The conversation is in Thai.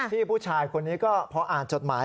ผู้ชายคนนี้ก็พออ่านจดหมาย